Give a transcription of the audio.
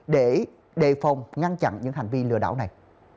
để đề phòng ngăn chặn những hành vi lừa đảo này